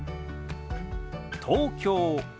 「東京」。